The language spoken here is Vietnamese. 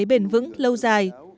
bền vững lâu dài